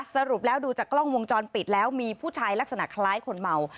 สรุปแล้วดูจากกล้องวงจรปิดแล้วมีผู้ชายลักษณะคล้ายคนเมา